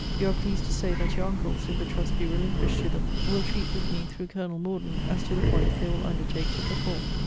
You are pleased to say, that your uncles, if the trust be relinquished to them, will treat with me, through Colonel Morden, as to the points they will undertake to perform.